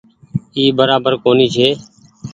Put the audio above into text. اي برابر ڪونيٚ ڇي۔